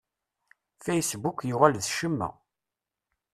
Facebook yuɣal d ccemma.